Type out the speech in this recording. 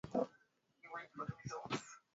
Magonjwa ya aina ya Uviko kumi na tisa